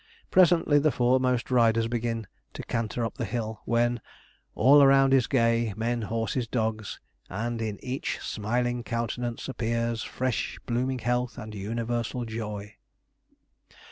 Presently the foremost riders begin to canter up the hill, when All around is gay, men, horses, dogs, And in each smiling countenance appears Fresh blooming health and universal joy.